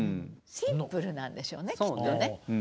シンプルなんでしょうねきっとね。